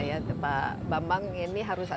jadi kita apitin nahan ahannya